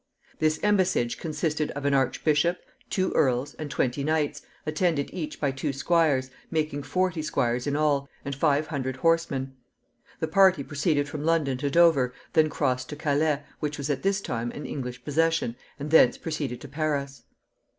This embassage consisted of an archbishop, two earls, and twenty knights, attended each by two squires, making forty squires in all, and five hundred horsemen. The party proceeded from London to Dover, then crossed to Calais, which was at this time an English possession, and thence proceeded to Paris.